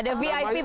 dia bisa diskusi